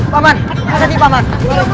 paman kesini paman